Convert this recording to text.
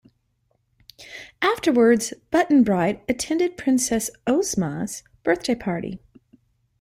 Afterwards, Button-Bright attended Princess Ozma's birthday party.